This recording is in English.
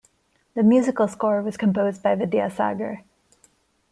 The musical score was composed by Vidyasagar.